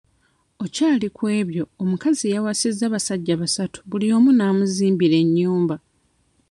Okyali ku ebyo omukazi yawasizza abasajja basatu buli omu n'amuzimbira ennyumba.